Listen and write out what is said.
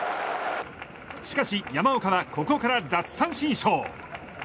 しかし山岡はここから奪三振ショー。